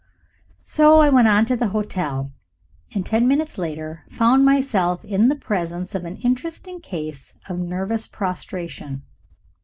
So I went on to the hotel, and ten minutes later found myself in the presence of an interesting case of nervous prostration.